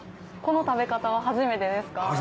この食べ方は初めてですか？